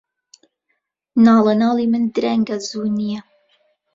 ناڵەناڵی من درەنگە، زوو نییە